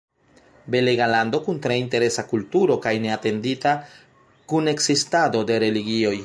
Belega lando kun tre interesa kulturo kaj neatendita kunekzistado de religioj.